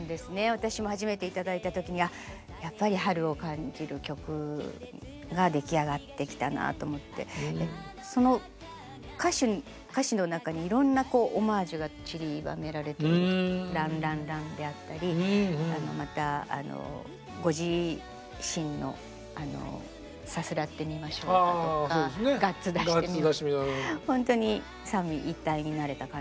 私も初めていただいた時にやっぱり春を感じる曲が出来上がってきたなと思ってその歌詞の中にいろんなオマージュがちりばめられていて「ランランラン」であったりまたご自身のさすらってみましょうだとかガッツだしてほんとに三位一体になれた感じがする楽曲で楽しいです。